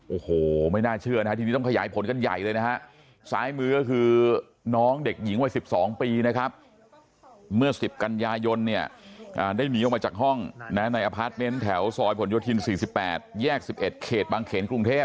โอ้โหไม่น่าเชื่อนะฮะทีนี้ต้องขยายผลกันใหญ่เลยนะฮะซ้ายมือก็คือน้องเด็กหญิงวัย๑๒ปีนะครับเมื่อ๑๐กันยายนเนี่ยได้หนีออกมาจากห้องนะในอพาร์ทเมนต์แถวซอยผลโยธิน๔๘แยก๑๑เขตบางเขนกรุงเทพ